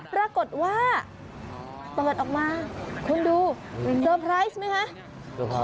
ปรากฏว่าเปิดออกมาคุณดูเตอร์ไพรส์ไหมคะ